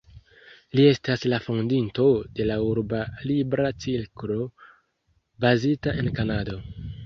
Li estas la fondinto de la Urba Libra Cirklo, bazita en Kanado.